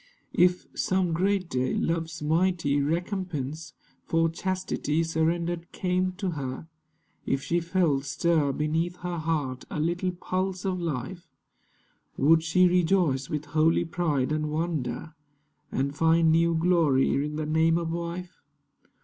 If, some great day, love's mighty recompense For chastity surrendered came to her, If she felt stir Beneath her heart a little pulse of life, Would she rejoice with holy pride and wonder, And find new glory in the name of wife?